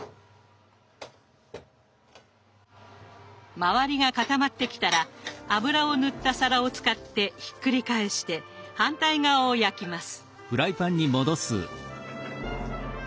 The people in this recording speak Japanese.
周りが固まってきたら油を塗った皿を使ってひっくり返して反対側を焼きます。